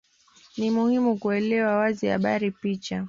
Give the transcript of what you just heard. Ni muhimu kuelewa wazi habari picha